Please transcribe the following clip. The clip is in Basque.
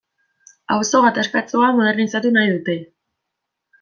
Auzo gatazkatsua modernizatu nahi dute.